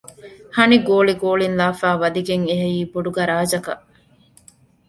ހަނި ގޯޅި ގޯޅިން ލާފައި ވަދެގެން އެއައީ ބޮޑު ގަރާޖަކަށް